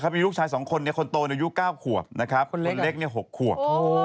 มีลูกชาย๒คนคนโตอายุ๙ขวบคนเล็ก๖ขวบ